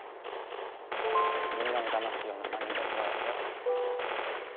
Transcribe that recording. みんなを騙すようなまねももうやめよう。